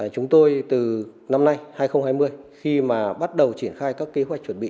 chúng tôi từ năm nay hai nghìn hai mươi khi mà bắt đầu triển khai các kế hoạch chuẩn bị